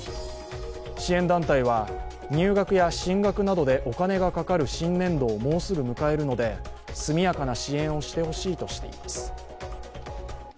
支援団体は、入学や進学などでお金がかかる新年度をもうすぐ迎えるので速やかな支援をして欲しいとしています。